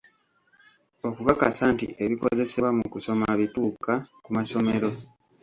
Okukakasa nti ebikozesebwa mu kusoma bituuka ku masomero.